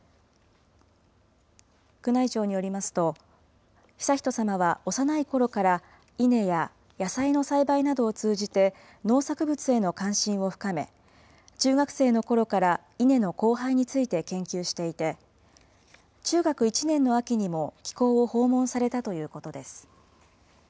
宮内庁によりますと、悠仁さまは幼いころから稲や野菜の栽培などを通じて、農作物への関心を深め、中学生のころから稲の交配について研究していて、中学１年の秋にも、機構を訪問されたということです。